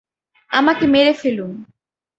আমাকে মেরে ফেলুন।